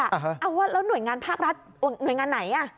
แล้วหน่วยงานภาครัฐหน่วยงานไหน